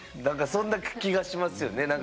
何かそんな気がしますよね。